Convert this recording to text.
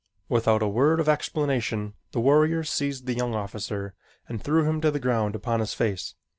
Without a word of explanation the warriors seized the young officer and threw him to the ground upon his face.